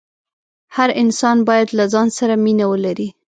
هر انسان باید له ځان سره مینه ولري.